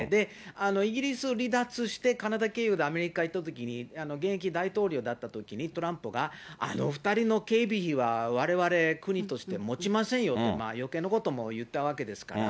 イギリスを離脱して、カナダ経由でアメリカ行ったときに、現役大統領だったときに、トランプがあの２人の警備費は、われわれ、国として持ちませんよと、よけいなことも言ったわけですから。